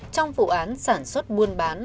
trong vụ án sản xuất muôn bán